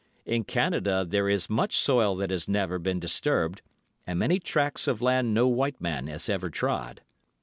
In Canada there is much soil that has never been disturbed, and many tracts of land no white man has ever trod.